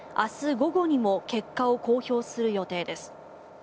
午後にも結果を公表する予定です。